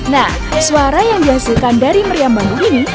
nah suara yang dihasilkan dari meriam bambu ini